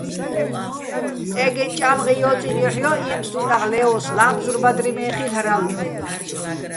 წე́გეჼ ჭა́მღი ჲო́წინო̆ ჲოჰ̦ ჲო́ჸჲიეჼ ფსტუნაღ ლე́ოს, ლა́მზურ ბადრი მე́ ხილ'რალო̆.